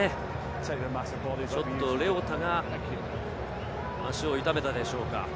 ちょっとレオタが足を痛めたでしょうか？